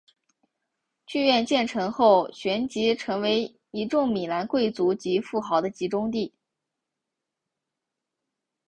剧院建成后旋即成为一众米兰贵族及富豪的集中地。